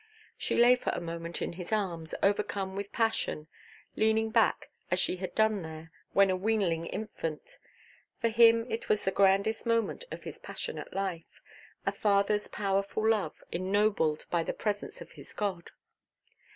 She lay for a moment in his arms, overcome with passion, leaning back, as she had done there, when a weanling infant. For him it was the grandest moment of his passionate life—a fatherʼs powerful love, ennobled by the presence of his God.